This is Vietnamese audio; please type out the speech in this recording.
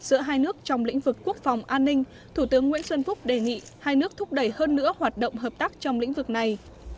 giữa hai nước trong lĩnh vực quốc phòng an ninh thủ tướng nguyễn xuân phúc đề nghị hai nước thúc đẩy hơn nữa hoạt động hợp tác trong lĩnh vực này